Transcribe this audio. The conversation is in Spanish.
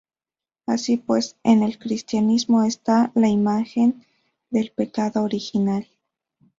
Así pues en el cristianismo esta la imagen del pecado original.